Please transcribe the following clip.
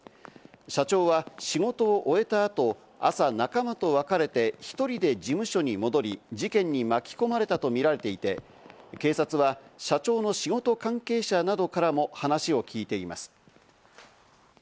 社長は仕事を終えた後、朝、仲間と別れて１人で事務所に戻り、事件に巻き込まれたとみられていて、警察は社長の仕事関係者などからも話を聞いています。